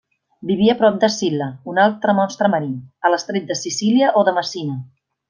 Vivia prop d'Escil·la, un altre monstre marí, a l'estret de Sicília o de Messina.